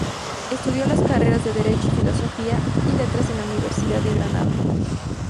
Estudió las carreras de Derecho y Filosofía y Letras en la Universidad de Granada.